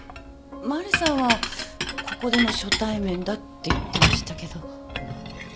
マリさんはここでの初対面だって言ってましたけど。